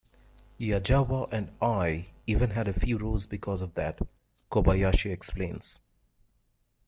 "Yazawa and I even had a few rows because of that," Kobayashi explains.